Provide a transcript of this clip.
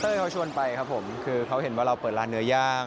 เขาชวนไปครับผมคือเขาเห็นว่าเราเปิดร้านเนื้อย่าง